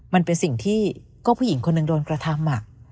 มันเป็นสิ่งที่ก็ผู้หญิงคนหนึ่งโดนกระทำ